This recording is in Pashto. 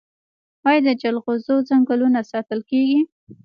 آیا د جلغوزیو ځنګلونه ساتل کیږي؟